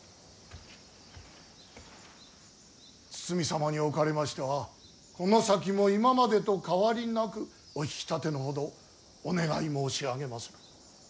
堤様におかれましてはこの先も今までと変わりなくお引き立てのほどお願い申し上げまする。